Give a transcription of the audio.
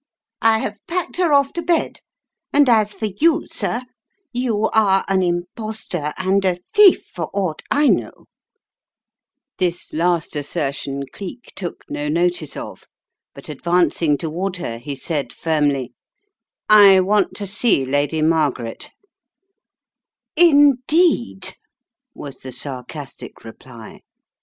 I have packed her off to bed. And as for you, sir, you are an impostor and a thief for aught I know " 42 The Riddle of tlw Purple Emperor This last assertion Cleek took no notice of, but advancing toward her he said firmly: "I want to see Lady Margaret " "Indeed," was the sarcastic reply.